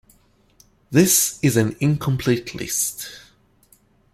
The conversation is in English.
This is an incomplete list.